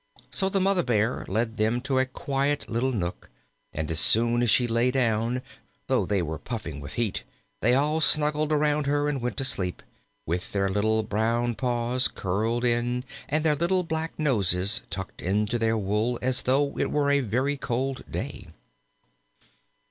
So the Mother bear led them to a quiet little nook, and as soon as she lay down, though they were puffing with heat, they all snuggled around her and went to sleep, with their little brown paws curled in, and their little black noses tucked into their wool as though it were a very cold day.